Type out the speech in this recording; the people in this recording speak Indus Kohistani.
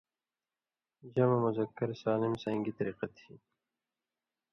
جمع مذکر سالم سن٘دَئیں گی طریۡقہ تھی؟